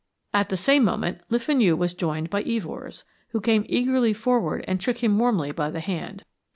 At the same moment Le Fenu was joined by Evors, who came eagerly forward and shook him warmly by the hand.